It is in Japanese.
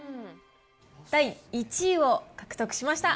第１位を獲得しました。